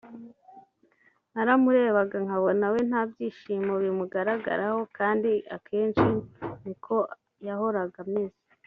naramurebaga nkabona we nta byishimo bimugaragaraho kandi akenshi niko yahoraga ameze